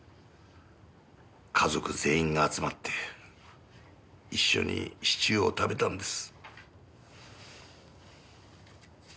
家族全員が集まって一緒にシチューを食べたんです。